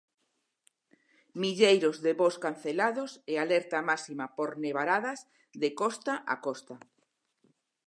Milleiros de voos cancelados e alerta máxima por nevaradas de costa a costa.